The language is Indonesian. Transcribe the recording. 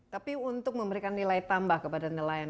tapi untuk memberikan nilai tambah kepada nelayan